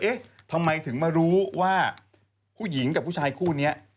เอ๊ะทำไมถึงมารู้ว่าผู้หญิงกับผู้ชายคู่นี้